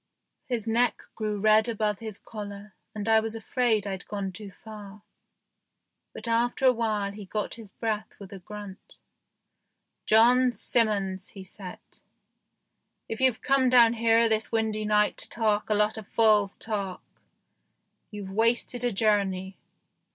His neck grew red above his collar, and I was afraid I'd gone too far; but after a while he got his breath with a grunt. " John Simmons," he said, " if you've come down here this windy night to talk a lot of fool's talk, you've wasted a journey."